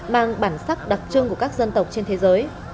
mang bản sắc đặc trưng của các dân tộc trên thế giới